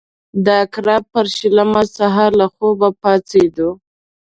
د عقرب پر شلمه سهار له خوبه راپاڅېدو.